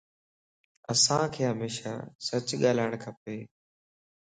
اسانک ھميشا سچ ڳالھائڻ کپ